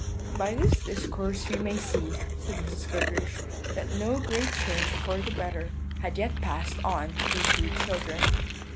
"By this discourse we may see," said Mrs. Goodriche, "that no great change for the better had yet passed on these rude children.